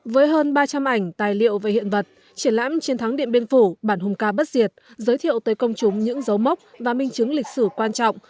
với hơn ba trăm linh ảnh tài liệu và hiện vật triển lãm chiến thắng điện biên phủ bản hùng ca bất diệt giới thiệu tới công chúng những dấu mốc và minh chứng lịch sử quan trọng